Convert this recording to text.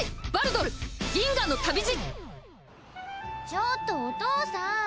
ちょっとお父さん。